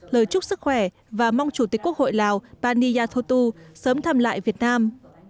lời chúc sức khỏe và mong chủ tịch quốc hội lào paniyathotu sớm thăm lại việt nam